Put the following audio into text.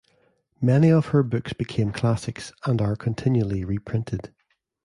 Many of her books became classics and are continually reprinted.